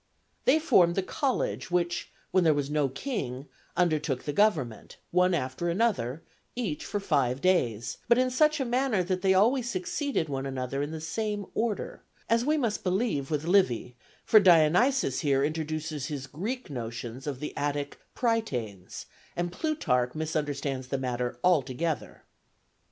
They formed the college, which, when there was no king, undertook the government, one after another, each for five days, but in such a manner that they always succeeded one another in the same order, as we must believe with Livy, for Dionysius here introduces his Greek notions of the Attic prytanes, and Plutarch misunderstands the matter altogether.